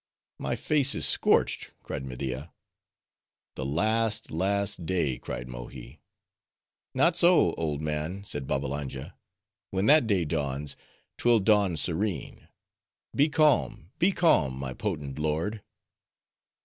"My face is scorched," cried Media. "The last, last day!" cried Mohi. "Not so, old man," said Babbalanja, "when that day dawns, 'twill dawn serene. Be calm, be calm, my potent lord."